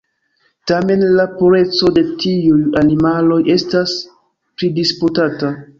Tamen, la pureco de tiuj animaloj estas pridisputata.